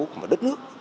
của một đất nước